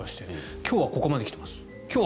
今日はここまで来てます